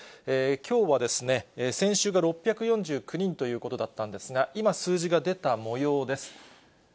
きょうはですね、先週が６４９人ということだったんですが、今、数字が出たもようです。